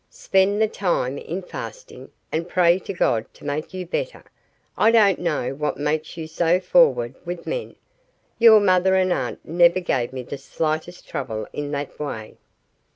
Spend the time in fasting, and pray to God to make you better. I don't know what makes you so forward with men. Your mother and aunt never gave me the slightest trouble in that way."